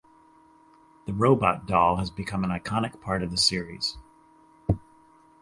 The robot doll has become an iconic part of the series.